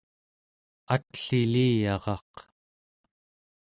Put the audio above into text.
atliliyaraq